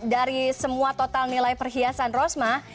dari semua total nilai perhiasan rosmah